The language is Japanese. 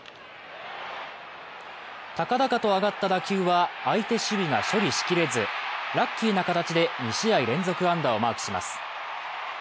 高々と上がった打球は相手守備が処理しきれず、ラッキーな形で、２試合連続安打をマークします。